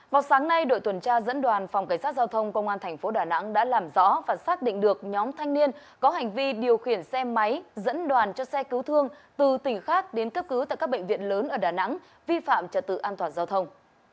vào sáng nay đội tuần tra dẫn đoàn phòng cảnh sát giao thông công an thành phố đà nẵng đã làm rõ và xác định được nhóm thanh niên có hành vi điều khiển xe máy dẫn đoàn cho xe cứu thương từ tỉnh khác đến cấp cứu tại các bệnh viện lớn ở đà nẵng vi phạm trật tự an toàn giao thông